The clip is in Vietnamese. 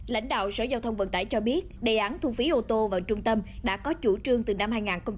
lãnh đạo sở giao thông vận tải cho biết đề án thu phí ô tô vào trung tâm đã có chủ trương từ năm hai nghìn một mươi